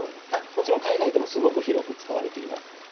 もちろん海外でもすごく広く使われています。